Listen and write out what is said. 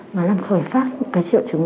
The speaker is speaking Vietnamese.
nó làm khởi phát một cái triệu chứng